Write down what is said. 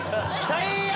最悪！